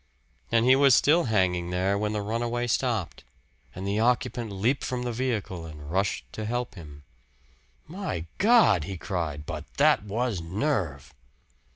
And he was still hanging there when the run away stopped, and the occupant leaped from the vehicle and rushed to help him. "My God!" he cried, "but that was nerve!"